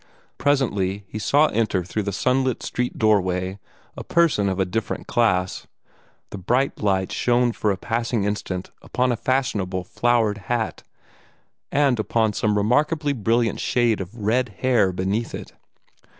Presently he saw enter through the sunlit street doorway a person of a different class. The bright light shone for a passing instant upon a fashionable, flowered hat, and upon some remarkably brilliant shade of red hair beneath it.